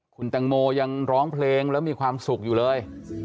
คุณแตงโมยังร้องเพลงแล้วมีความสุขอยู่เลย